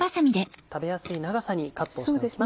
食べやすい長さにカットします。